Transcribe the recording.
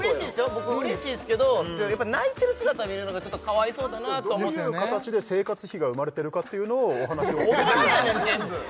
僕うれしいですけどやっぱり泣いてる姿を見るのがちょっとかわいそうだなとどういう形で生活費が生まれてるかっていうのをお話をするっていう大人やねん全部！